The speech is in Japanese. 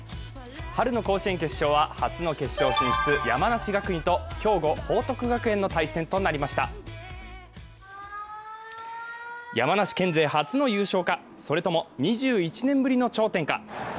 春の甲子園決勝、初の決勝進出、山梨学院と兵庫・報徳学園の対戦となりました山梨県勢初の優勝か、それとも２１年ぶりの頂点か。